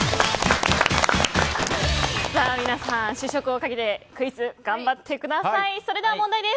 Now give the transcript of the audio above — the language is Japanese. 皆さん試食をかけてクイズ頑張ってください。